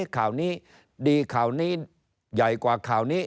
ข่าวนี้ดีข่าวนี้ใหญ่กว่าข่าวนี้